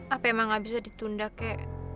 tapi memang nggak bisa ditunda kek